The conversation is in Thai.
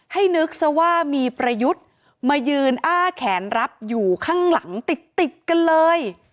นึกซะว่ามีประยุทธ์มายืนอ้าแขนรับอยู่ข้างหลังติดติดกันเลย